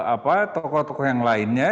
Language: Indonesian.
apa tokoh tokoh yang lainnya